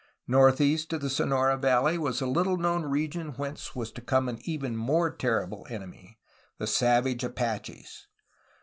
Northeast of the Sonora valley was a little known region whence was to come an even more terrible enemy, — the savage Apaches.